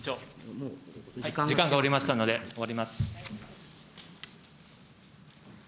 時間が終わりましたので、終わります。